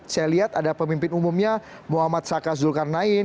saya lihat ada pemimpin umumnya muhammad saka zulkarnain